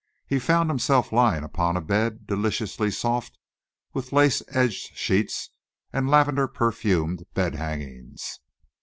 He found himself lying upon a bed deliciously soft, with lace edged sheets and lavender perfumed bed hangings.